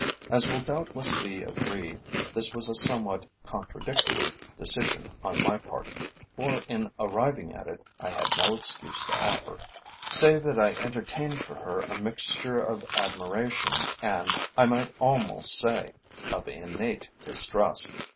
As will doubtless be agreed, this was a somewhat contradictory decision on my part, for in arriving at it, I had no excuse to offer, save that I entertained for her a mixture of admiration and, I might almost say, of innate distrust.